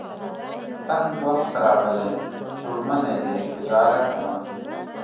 تنګ وخت راغلی. څوړ منی دی ګذاره کوه.